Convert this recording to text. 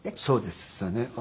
そうですね。